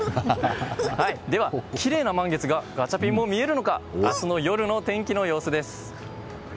では、きれいな満月がガチャピンも見られるのか明日の夜の天気の様子です。